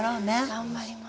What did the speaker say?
頑張ります！